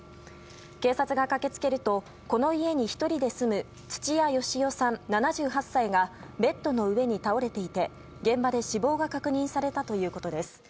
警察が駆け付けるとこの家に１人で住む土屋好夫さん、７８歳がベッドの上に倒れていて現場で死亡が確認されたということです。